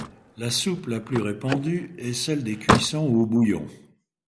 La soupe la plus répandue est celle des cuissons au bouillon.